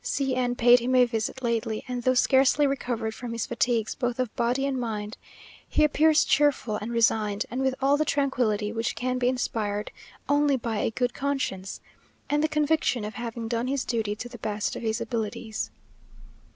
C n paid him a visit lately, and though scarcely recovered from his fatigues both of body and mind, he appears cheerful and resigned, and with all the tranquillity which can be inspired only by a good conscience, and the conviction of having done his duty to the best of his abilities....